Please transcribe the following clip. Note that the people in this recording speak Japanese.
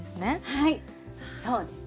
はいそうですね。